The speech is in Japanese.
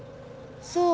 そう。